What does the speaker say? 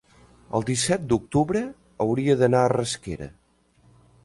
el disset d'octubre hauria d'anar a Rasquera.